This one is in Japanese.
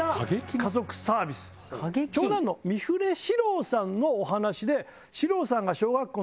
長男の三船史郎さんのお話で。